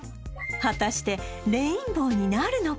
果たしてレインボーになるのか？